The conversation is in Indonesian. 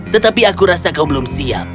tetapi aku rasa kau belum siap